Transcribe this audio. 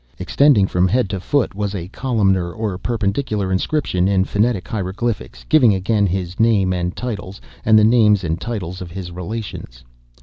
Extending from head to foot was a columnar, or perpendicular, inscription, in phonetic hieroglyphics, giving again his name and titles, and the names and titles of his relations.